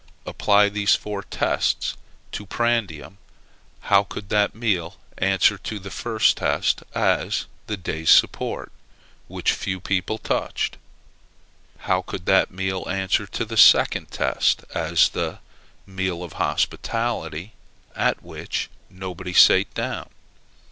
Apply these four tests to prandium: How could that meal answer to the first test, as the day's support, which few people touched? How could that meal answer to the second test, as the meal of hospitality, at which nobody sate down?